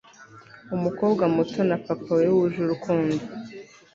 umukobwa muto na papa we wuje urukundo